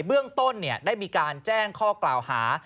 เบื้องต้นได้มีการแจ้งข้อกล่าวหา